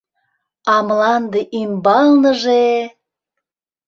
А мланде ӱмбалныже!..